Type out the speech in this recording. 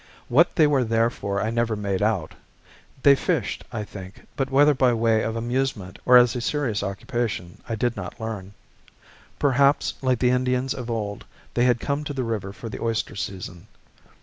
What they were there for I never made out. They fished, I think, but whether by way of amusement or as a serious occupation I did not learn. Perhaps, like the Indians of old, they had come to the river for the oyster season.